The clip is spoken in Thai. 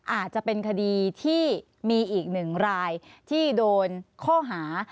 อาจจะเป็นคดีที่มีอีกหนึ่งรายที่โดนข้อหา